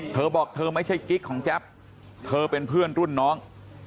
เธอบอกเธอไม่ใช่กิ๊กของแจ๊บเธอเป็นเพื่อนรุ่นน้อง